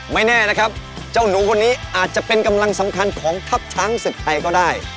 ไม่แน่นะครับเจ้าหนูคนนี้อาจจะเป็นกำลังสำคัญของทัพช้างศึกไทยก็ได้